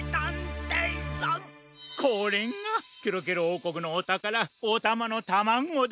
これがケロケロおうこくのおたからおたまのタマゴだ！